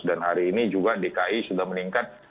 dan hari ini juga dki sudah meningkat